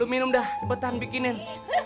minum dah cepetan bikinin